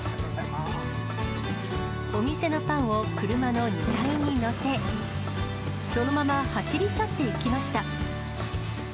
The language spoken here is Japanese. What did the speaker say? お店のパンを車の荷台に載せ、そのまま走り去っていきました。